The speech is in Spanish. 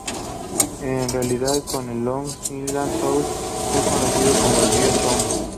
En relación con el Long Island Sound, fue conocido como el río Sound.